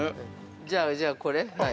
◆じゃあじゃあ、これ。